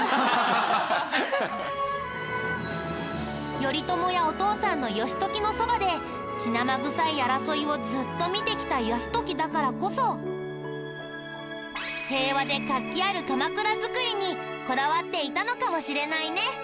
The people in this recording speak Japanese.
頼朝やお父さんの義時のそばで血生臭い争いをずっと見てきた泰時だからこそ平和で活気ある鎌倉作りにこだわっていたのかもしれないね。